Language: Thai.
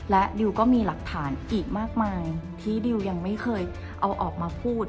และดิวก็มีหลักฐานอีกมากมายที่ดิวยังไม่เคยเอาออกมาพูด